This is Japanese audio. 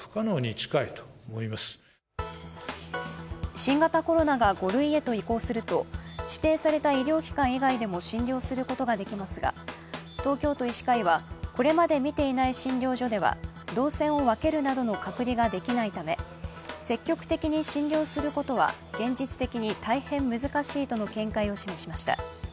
新型コロナが５類へと移行すると、指定された医療機関以外でも診療することができますが東京都医師会はこれまで診ていない診療所では動線を分けるなどの隔離ができないため、積極的に診療することは現実的に大変難しいとの見解を示しました。